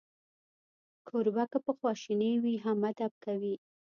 کوربه که په خواشینۍ وي، هم ادب کوي.